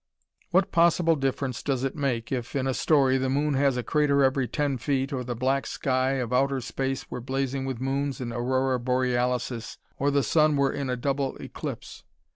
What possible difference does it make if, in a story, the moon has a crater every ten feet, or the black sky of outer space were blazing with moons and aurora borealises, or the sun were in a double eclipse!